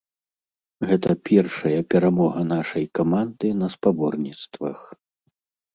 Гэта першая перамога нашай каманды на спаборніцтвах.